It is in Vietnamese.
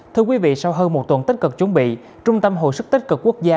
thưa quý vị sau hơn một tuần tích cực chuẩn bị trung tâm hồi sức tích cực quốc gia